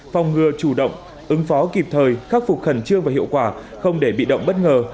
phòng ngừa chủ động ứng phó kịp thời khắc phục khẩn trương và hiệu quả không để bị động bất ngờ